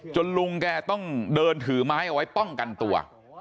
ลุงแกต้องเดินถือไม้เอาไว้ป้องกันตัว